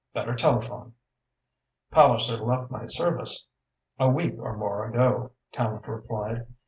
Better telephone." "Palliser left my service a week or more ago," Tallente replied.